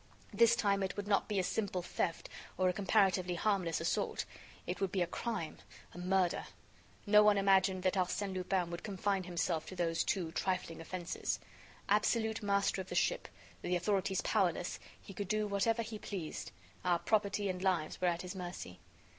This time, it would not be a simple theft or a comparatively harmless assault; it would be a crime, a murder. No one imagined that Arsène Lupin would confine himself to those two trifling offenses. Absolute master of the ship, the authorities powerless, he could do whatever he pleased; our property and lives were at his mercy.